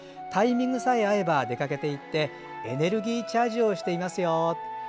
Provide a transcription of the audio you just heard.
タイミングさえ合えば出かけていってエネルギーチャージをしていますよ。